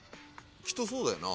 きっとそうだよな？